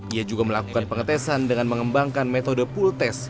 ia juga melakukan pengetesan dengan mengembangkan metode pool test